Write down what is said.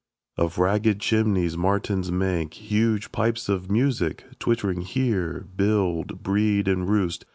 3. Of ragged chimneys martins make Huge pipes of music; twittering here Build, breed, and roost.